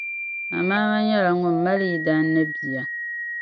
Amama nyɛla ŋun mali yidana ni bia.